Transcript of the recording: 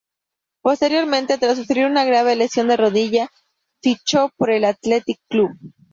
Posteriormente, tras sufrir una grave lesión de rodilla, fichó por el Athletic Club.